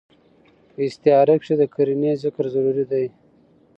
په استعاره کښي د قرينې ذکر ضروري دئ.